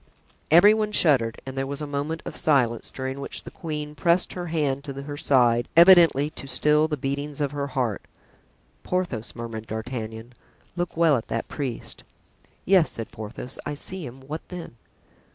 Every one shuddered and there was a moment of silence, during which the queen pressed her hand to her side, evidently to still the beatings of her heart. ("Porthos," murmured D'Artagnan, "look well at that priest." "Yes," said Porthos, "I see him. What then?"